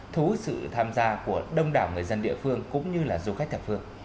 thú sự tham gia của đông đảo người dân địa phương cũng như là du khách thật phương